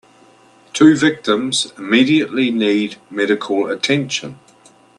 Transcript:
Two victims immediately need medical attention.